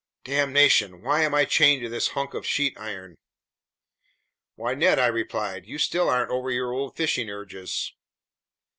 Damnation! Why am I chained to this hunk of sheet iron!" "Why, Ned!" I replied. "You still aren't over your old fishing urges?"